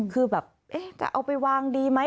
คือแบบจะเอาไปวางดีไหม